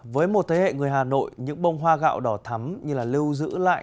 với một thế hệ người hà nội những bông hoa gạo đỏ thắm như là lưu giữ lại